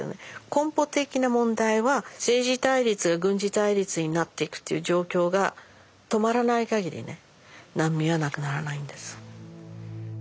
根本的な問題は政治対立が軍事対立になっていくという状況が止まらない限りね難民はなくならないんです。